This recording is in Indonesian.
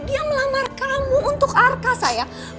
dia melamar kamu untuk arka saya